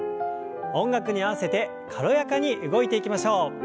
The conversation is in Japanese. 音楽に合わせて軽やかに動いていきましょう。